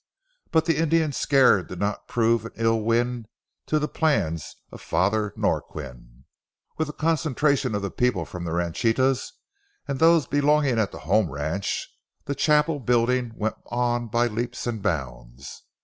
But the Indian scare did not prove an ill wind to the plans of Father Norquin. With the concentration of people from the ranchitas and those belonging at the home ranch, the chapel building went on by leaps and bounds.